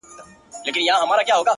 ماتيږي چي بنگړي” ستا په لمن کي جنانه”